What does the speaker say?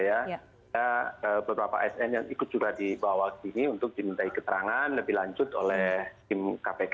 ada beberapa sn yang ikut juga dibawa ke sini untuk dimintai keterangan lebih lanjut oleh tim kpk